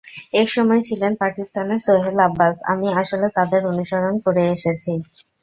একসময় ছিলেন পাকিস্তানের সোহেল আব্বাস, আমি আসলে তাঁদের অনুসরণ করে এনেছি।